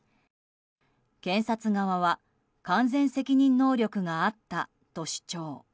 検察側は完全責任能力があったと主張。